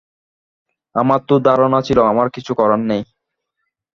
আমার তো ধারণা ছিল, আমার কিছু করার নেই।